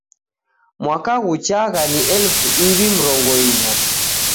Mwaka ghuchagha ni elifu iw'i mrongo inya